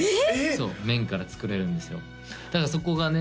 そう麺から作れるんですよだからそこがね